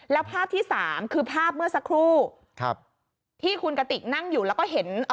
แล้วภาพที่สามคือภาพเมื่อสักครู่ครับที่คุณกติกนั่งอยู่แล้วก็เห็นเอ่อ